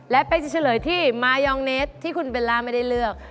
และเป๊กจะเฉลยที่มายองเนสที่คุณเบลล่าไม่ได้เลือก